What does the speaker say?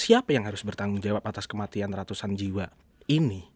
siapa yang harus bertanggung jawab atas kematian ratusan jiwa ini